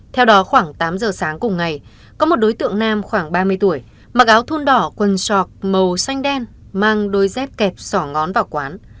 theo đó khoảng tám giờ sáng cùng ngày có một đối tượng nam khoảng ba mươi tuổi mặc áo thun đỏ quần sọc màu xanh đen mang đôi dép kẹp sỏ ngón vào quán